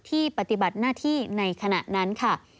ปฏิบัติหน้าที่ในขณะนั้นค่ะ